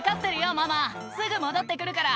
ママすぐ戻って来るから」